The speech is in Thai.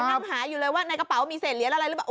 ยังหาอยู่เลยว่าในกระเป๋ามีเศษเหรียญอะไรหรือเปล่า